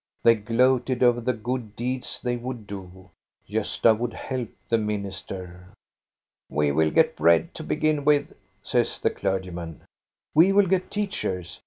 They gloated over the good deeds they would do. Gosta would help the minister. " We will get bread to begin with," says the clergy man. " We will get teachers.